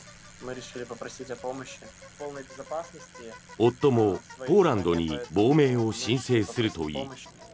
夫もポーランドに亡命を申請するといい